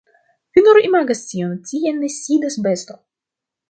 Vi nur imagas tion, tie ne sidas besto.